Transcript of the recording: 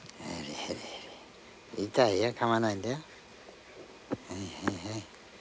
痛いよ、かまないんだよ。